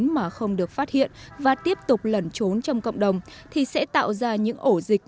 mà không được phát hiện và tiếp tục lẩn trốn trong cộng đồng thì sẽ tạo ra những ổ dịch